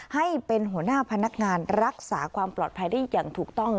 ให้เป็นหัวหน้าพนักงานรักษาความปลอดภัยได้อย่างถูกต้อง